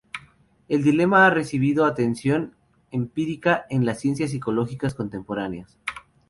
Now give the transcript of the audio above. El dilema ha recibido atención empírica en las ciencias psicológicas contemporáneas.